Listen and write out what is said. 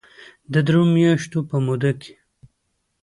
د درې مياشتو په موده کې